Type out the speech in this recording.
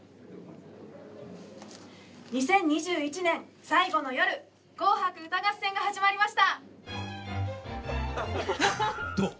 ２０２１年最後の夜「紅白歌合戦」が始まりました。